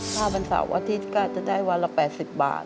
ถ้าวันเสาร์อาทิตย์ก็จะได้วันละ๘๐บาท